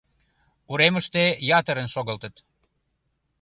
Уремыште ятырын шогылтыт.